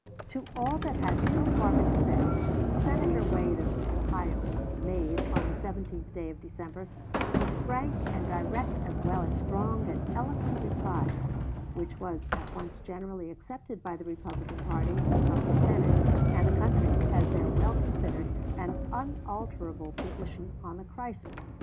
To all that had so far been said, Senator Wade, of Ohio, made, on the 17th day of December, a frank and direct as well as strong and eloquent reply, which was at once generally accepted by the Republican party of the Senate and the country as their well considered and unalterable position on the crisis.